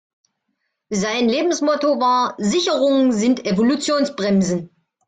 Sein Lebensmotto war: Sicherungen sind Evolutionsbremsen.